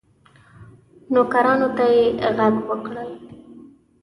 نوکرانو ته یې ږغ کړل